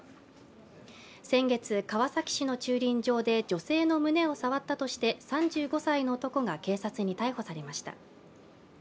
先月、川崎市の駐輪場で女性の胸を触ったとして３５歳の男が警察に逮捕されました。